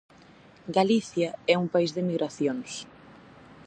Galicia é un país de migracións.